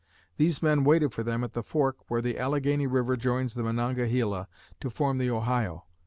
These men waited for them at the fork where the Allegheny River joins the Monongahela to form the Ohio.